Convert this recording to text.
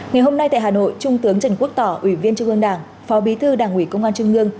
ngày hôm nay tại hà nội trung tướng trần quốc tỏ ủy viên trung ương đảng phó bí thư đảng ủy công an trung ương